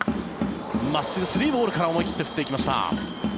真っすぐ、３ボールから思い切って振ってきました。